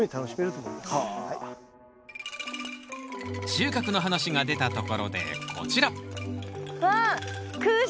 収穫の話が出たところでこちらわあ！